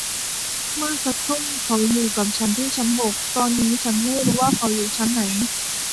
เมื่อสักครู่เขาอยู่กับฉันที่ชั้นหก ตอนนี้ฉันไม่รู้ว่าเขาอยู่ชั้นไหน